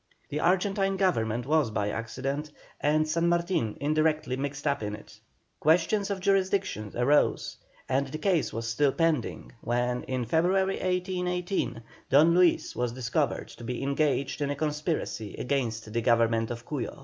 The Argentine Government was by accident, and San Martin indirectly mixed up in it. Questions of jurisdiction arose, and the case was still pending when, in February, 1818, Don Luis was discovered to be engaged in a conspiracy against the Government of Cuyo.